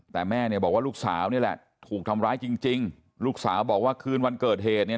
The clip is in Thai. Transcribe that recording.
แต่แม่เนี่ยบอกว่าลูกสาวนี่แหละถูกทำร้ายจริงจริงลูกสาวบอกว่าคืนวันเกิดเหตุเนี่ย